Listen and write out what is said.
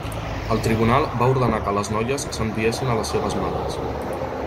El tribunal va ordenar que les noies s'enviessin a les seves mares.